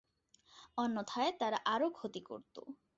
অন্যথায় তারা আরও ক্ষতি করত।